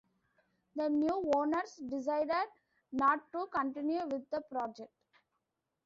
The new owners decided not to continue with the project.